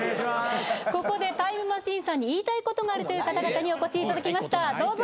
ここでタイムマシーンさんに言いたいことがあるという方々にお越しいただきましたどうぞ。